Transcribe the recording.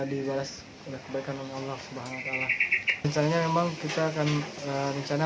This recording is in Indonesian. dibalas oleh kebaikan allah subhanahu wa ta'ala misalnya memang kita akan rencana